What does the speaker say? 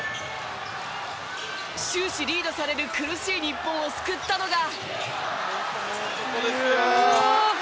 終始リードされる苦しい日本を救ったのが。